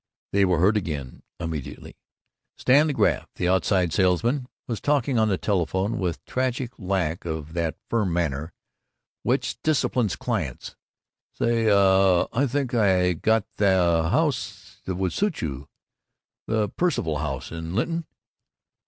They were heard again, immediately. Stanley Graff, the outside salesman, was talking on the telephone with tragic lack of that firm manner which disciplines clients: "Say, uh, I think I got just the house that would suit you the Percival House, in Linton....